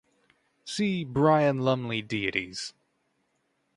See Brian Lumley deities.